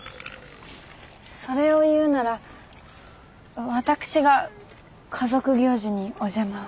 それを言うなら私が家族行事にお邪魔を。